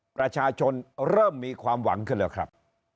ประชาชนเริ่มมีความหวังขึ้นแล้วครับ